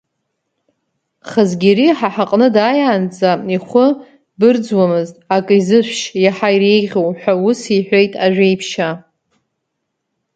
Хазгьери ҳа ҳҟны дааиаанӡа ихәы бырӡуамызт, ак изышәшь, иаҳа иреиӷьу, ҳәа ус иҳәеит Ажәеиԥшьаа.